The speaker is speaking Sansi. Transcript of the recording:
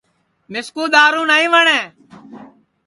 مِسکُو دؔارُو نائی وٹؔے